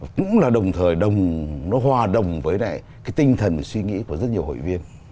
cũng là đồng thời nó hòa đồng với tinh thần suy nghĩ của rất nhiều hội viên